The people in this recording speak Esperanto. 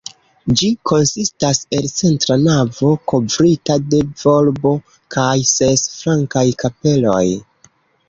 Ĝi konsistas el centra navo kovrita de volbo kaj ses flankaj kapeloj.